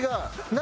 何？